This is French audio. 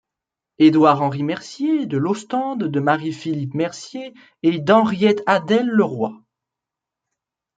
Édouard Henri Mercier de Lostende de Marie-Philippe Mercier et d'Henriette-Adèle Le Roy.